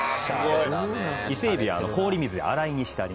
イセエビは氷水で洗いにしてあります。